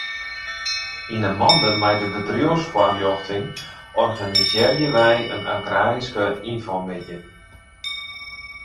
Yn 'e mande mei de bedriuwsfoarljochting organisearje wy in agraryske ynfomiddei.